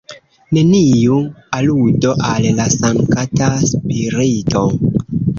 Neniu aludo al la Sankta Spirito.